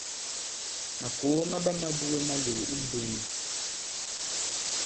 Màkòo ma ɓama buge malòò i mmbwēē.